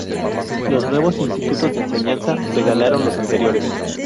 Los nuevos institutos de enseñanza relegaron los anteriores.